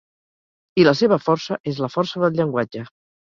I la seva força és la força del llenguatge.